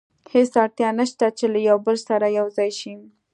هېڅ اړتیا نه شته چې له یو بل سره یو ځای شي.